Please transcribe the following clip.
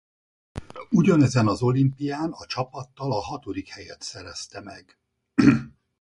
Ugyanezen az olimpián a csapattal a hatodik helyet szerezte meg.